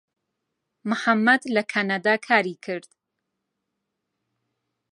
محەممەد لە کەنەدا کاری کرد.